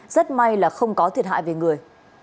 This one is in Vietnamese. rất may là không có thiệt hại về người